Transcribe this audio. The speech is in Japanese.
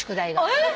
えっ！？